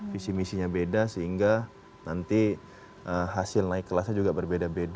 visi misinya beda sehingga nanti hasil naik kelasnya juga berbeda beda